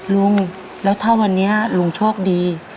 ลุงแล้วถ้าวันนี้ลุงโชคดี